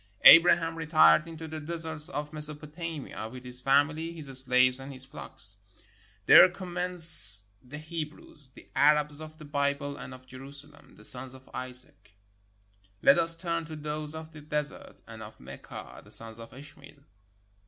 Abraham retired into the deserts of Mesopotamia with his family, his slaves, and his flocks. There commence the Hebrews — the Arabs of the Bible and of Jerusalem, the sons of Isaac. Let us turn to those of the desert and of Mecca, the sons of Ishmael.